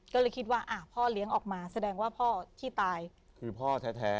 ก็เลยคิดว่าพ่อเลี้ยงออกมาแสดงว่าพ่อที่ตายคือพ่อแท้